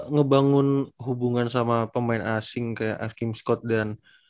ngebangun hubungan sama pemain asing kayak afkime scott dan